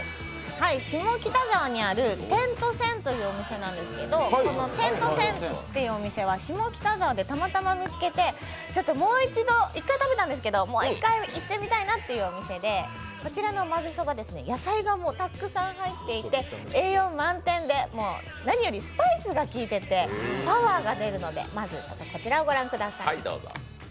下北沢にある点と線．というお店なんですけど点と線．っていうお店は下北沢でたまたま見かけて、一度食べたんですけど、もう一回行ってみたいなというお店で、こちらのまぜそばは野菜がたくさん入っていて、栄養満点で何よりスパイスがきいててパワーが出ますので、こちらをご覧ください。